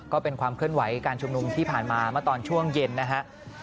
ก็เป็นความเคลื่อนไหวการชุมนุมที่ผ่านมาเมื่อตอนช่วงเย็นนะฮะ